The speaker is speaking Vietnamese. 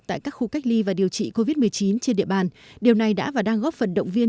tại các khu cách ly và điều trị covid một mươi chín trên địa bàn điều này đã và đang góp phần động viên